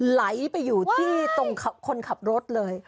ไหลไปอยู่ที่ตรงคนขับรถเลย